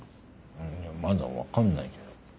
いやまだ分かんないけど。